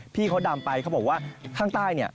พี่เขาดำไปเขาบอกว่าข้างใต้เนี่ย